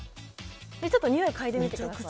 ちょっと匂い嗅いでみてください